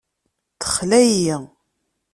Texla-iyi.